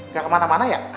gak kemana mana ya